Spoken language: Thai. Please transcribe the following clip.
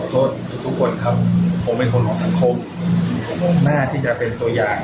ถูกปวดครับผมเป็นคนของสังคมหน้าที่จะเป็นตัวอย่าง